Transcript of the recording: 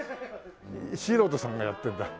素人さんがやってるんだ。